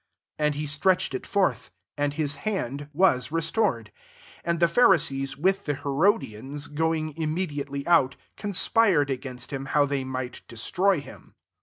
'* AoA he stretched it forth : and his hand was restored. 6 And dl# Pharisees, with the Herodian^ going immediately out, conspie» ed against him, how they mplplil destroy him.